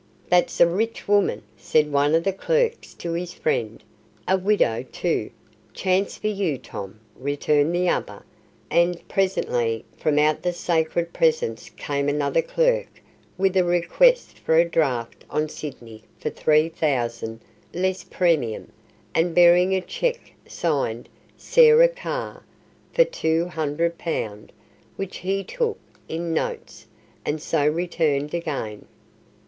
"That's a rich woman," said one of the clerks to his friend. "A widow, too! Chance for you, Tom," returned the other; and, presently, from out the sacred presence came another clerk with a request for "a draft on Sydney for three thousand, less premium", and bearing a cheque signed "Sarah Carr" for £200, which he "took" in notes, and so returned again.